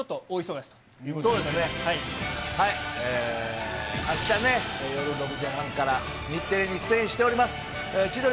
あしたね、夜６時半から日テレに出演しております。